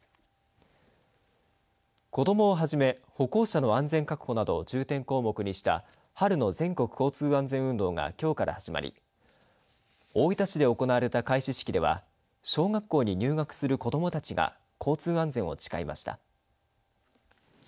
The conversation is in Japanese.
子どもをはじめ、歩行者の安全確保などを重点項目にした春の全国交通安全運動がきょうから始まり大分市で行われた開始式では小学校に入学する子どもたちが交通安全を誓いました。